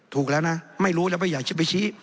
ถูกแล้วนะไม่รู้แล้วไม่อยากจะไปชี้